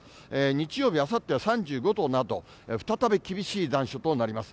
日曜日あさっては３５度など、再び厳しい残暑となります。